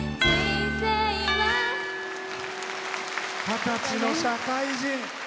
二十歳の社会人。